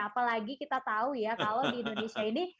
apalagi kita tahu ya kalau di indonesia ini